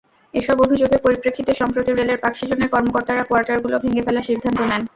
এসব অভিযোগের পরিপ্রেক্ষিতে সম্প্রতি রেলের পাকশী জোনের কর্মকর্তারা কোয়ার্টারগুলো ভেঙে ফেলার সিদ্ধান্ত নেন।